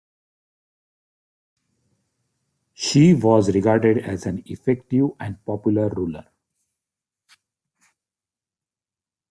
She was regarded as an effective and popular ruler.